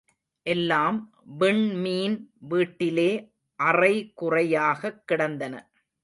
எல்லாம் விண்மீன் வீட்டிலே அறைகுறையாகக் கிடந்தன.